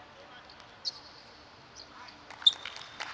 สวัสดีครับ